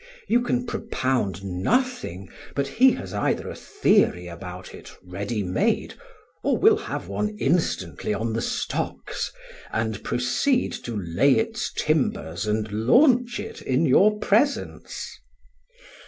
You can propound nothing but he has either a theory about it ready made, or will have one instantly on the stocks, and proceed to lay its timbers and launch it in your presence.